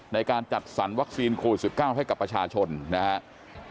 ในการจัดสรรวัคซีนโควิด๑๙ให้กับประชาชนนะครับ